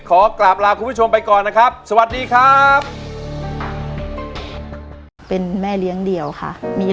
ขอกลับลาคุณผู้ชมไปก่อนนะครับสวัสดีครับ